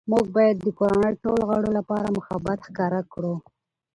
موږ باید د کورنۍ ټولو غړو لپاره محبت ښکاره کړو